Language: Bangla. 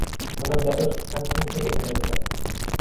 আমরা মেজর ফ্র্যাঙ্কলিনকে এখানে রেখে যাবো।